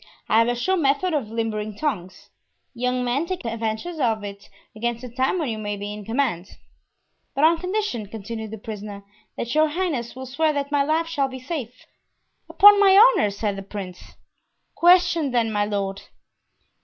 I have a sure method of limbering tongues. Young men, take advantage of it against the time when you may be in command." "But on condition," continued the prisoner, "that your highness will swear that my life shall be safe." "Upon my honor," said the prince. "Question, then, my lord."